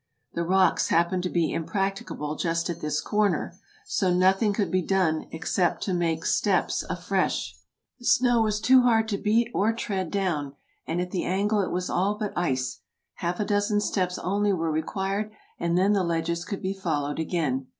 The rocks happened to be impracti cable just at this corner, so nothing could be done except to make steps afresh. The snow was too hard to beat or tread down, and at the angle it was all but ice: half a dozen steps only were required, and then the ledges could be followed again.